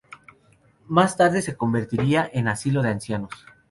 Más tarde se convertiría en asilo de ancianos.